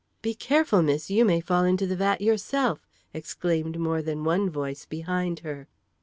"Be careful, miss; you may fall into the vat yourself!" exclaimed more than one voice behind her.